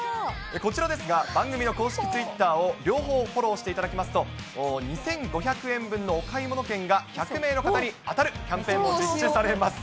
こちらですが、番組の公式ツイッターを両方フォローしていただきますと、２５００円分のお買い物券が１００名の方に当たるキャンペーンも実施されます。